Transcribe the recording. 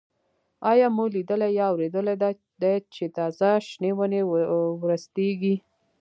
آیا مو لیدلي یا اورېدلي دي چې تازه شنې ونې ورستېږي؟